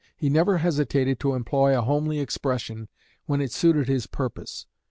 He never hesitated to employ a homely expression when it suited his purpose.